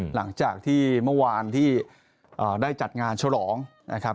หลังจากที่เมื่อวานที่ได้จัดงานฉลองนะครับ